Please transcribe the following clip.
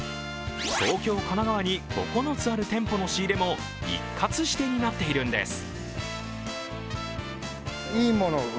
東京、神奈川に９つある店舗の仕入れも一括して担っているんです。